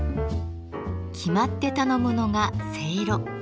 決まって頼むのがせいろ。